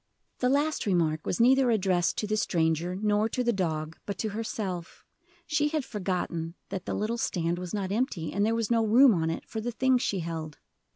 The last remark was neither addressed to the stranger nor to the dog but to herself She had forgotten that the little stand was not empty, and there was no room on it for the things she held.